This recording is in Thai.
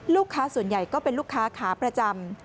ลูกค้าส่วนใหญ่ก็เป็นลูกค้าขาประจำ